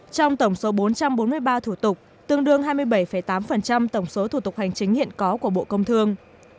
trong tổng số bốn trăm bốn mươi ba thủ tục tương đương hai mươi bảy tám tổng số thủ tục hành chính hiện có của bộ công thương